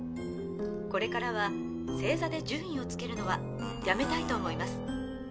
これからは星座で順位をつけるのはやめたいと思います。